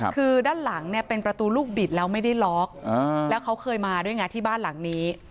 คือด้านหลังเนี่ยเป็นประตูลูกบิดแล้วไม่ได้ล็อกแล้วเขาเคยมาด้วยไงที่บ้านหลังนี้